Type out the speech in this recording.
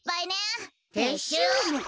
てっしゅう。